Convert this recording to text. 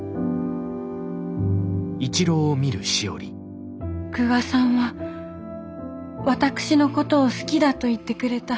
心の声久我さんは私のことを好きだと言ってくれた。